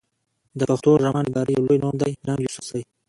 د پښتو ډرامه نګارۍ يو لوئې نوم دی ننګ يوسفزۍ